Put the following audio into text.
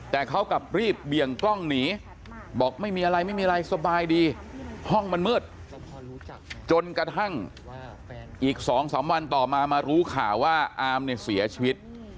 แต่เขากลับรีบเบี่ยงกล้องหนีบอกไม่มีอะไรไม่มีอะไรสบายดีห้องมันมืดจนกระทั่งอีก๒๓วันต่อมามารู้ข่าวว่าอามเนี่ยเสียชีวิต